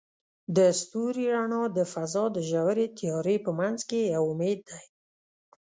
د ستوري رڼا د فضاء د ژورې تیارې په منځ کې یو امید دی.